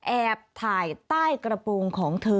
แอบถ่ายใต้กระโปรงของเธอ